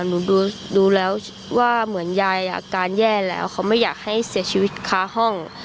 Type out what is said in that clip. หนูดูแล้วว่าเหมือนยายอาการแย่แล้วเขาไม่อยากให้เสียชีวิตค้าห้อง